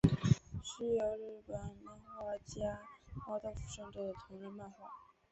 是由日本漫画家猫豆腐创作的同人漫画。